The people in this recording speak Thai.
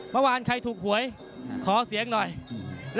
สวัสดีครับ